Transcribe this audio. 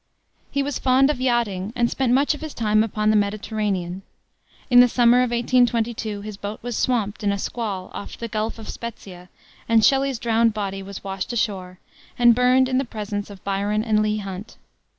He was fond of yachting, and spent much of his time upon the Mediterranean. In the summer of 1822, his boat was swamped in a squall off the Gulf of Spezzia, and Shelley's drowned body was washed ashore, and burned in the presence of Byron and Leigh Hunt.